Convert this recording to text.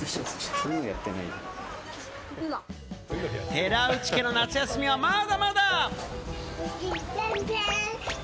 寺内家の夏休みは、まだまだ。